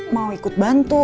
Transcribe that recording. mau ikut bantu